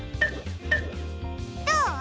どう？